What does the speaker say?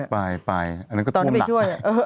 ไปไปอันนั้นก็ท่วมหนัก